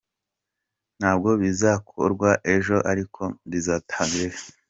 Ntabwo bizakorwa ejo, ariko bizatangira ejo” .